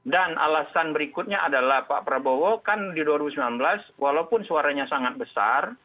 dan alasan berikutnya adalah pak prabowo kan di dua ribu sembilan belas walaupun suaranya sangat besar